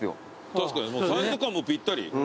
確かにサイズ感もぴったり。